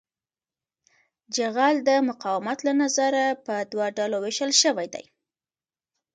جغل د مقاومت له نظره په دوه ډلو ویشل شوی دی